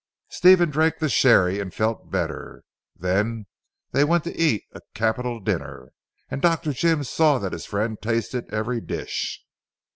Stephen drank the sherry and felt better. Then they went to eat a capital dinner and Dr. Jim saw that his friend tasted every dish.